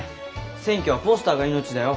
選挙はポスターが命だよ。